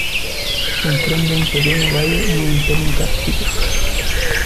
Comprende un pequeño valle en un entorno kárstico.